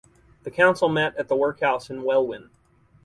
The council met at the workhouse in Welwyn.